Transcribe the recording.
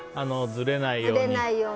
ずれないように。